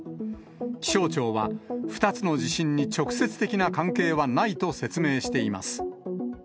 気象庁は、２つの地震に直接的な関係はないと説明しています。